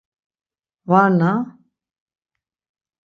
Va na...